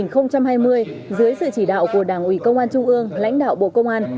năm hai nghìn hai mươi dưới sự chỉ đạo của đảng ủy công an trung ương lãnh đạo bộ công an